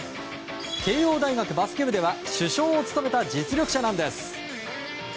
慶応大学バスケ部では主将を務めた実力者なんです。